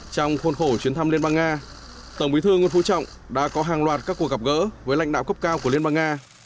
trong khuôn khổ chuyến thăm liên bang nga tổng bí thư nguyễn phú trọng đã có hàng loạt các cuộc gặp gỡ với lãnh đạo cấp cao của liên bang nga